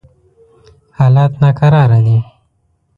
حالات ناکراره دي.